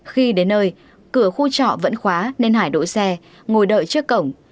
khi đến nơi cửa khu trọ vẫn khóa nên hải đội xe ngồi đợi trước cổng